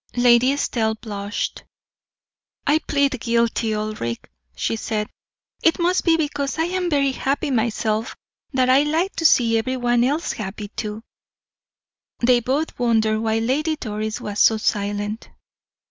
Lady Estelle blushed. "I plead guilty, Ulric," she said. "It must be because I am very happy myself that I like to see every one else happy, too." They both wondered why Lady Doris was so silent.